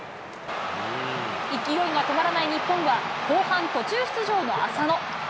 勢いが止まらない日本は、後半途中出場の浅野。